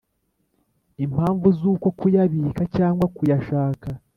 impamvu z uko kuyabika cyangwa kuyashaka